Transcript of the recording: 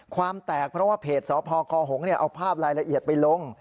ความแตกเพราะว่าเพจสพคหงเอาภาพรายละเอียดไปลง